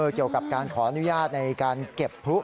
เกี่ยวกับการขออนุญาตในการเก็บพลุ